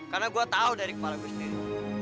karena gue tau dari kepala gue sendiri